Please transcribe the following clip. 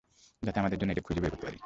যাতে আমাদের জন্য এটি খুঁজে বের করতে পারি।